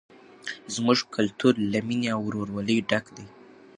زموږ کلتور له مینې او ورورولۍ ډک دی.